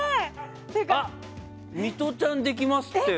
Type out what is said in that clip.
あっ、ミトちゃんできますって。